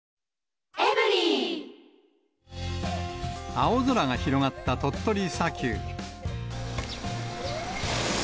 青空が広がった鳥取砂丘。